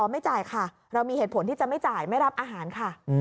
ไม่จ่ายค่ะเรามีเหตุผลที่จะไม่จ่ายไม่รับอาหารค่ะ